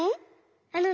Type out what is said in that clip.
あのね